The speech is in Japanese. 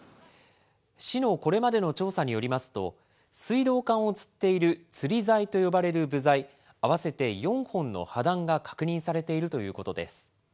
市のこれまでの調査によりますと、水道管をつっているつり材という部材、合わせて４本の破断が確認されているということです。